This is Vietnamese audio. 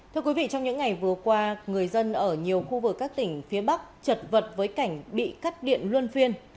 thưa quý vị trong những ngày vừa qua người dân ở nhiều khu vực các tỉnh phía bắc chật vật với cảnh bị cắt điện luân phiên